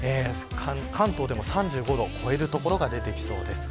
関東でも３５度を超える所が出てきそうです。